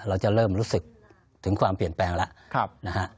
เราจะเริ่มรู้สึกถึงความเปลี่ยนแปลงแล้วนะฮะ